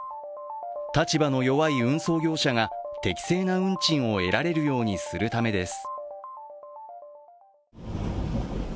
立場の弱い運送業者が適正な運賃を得られるようにするためです。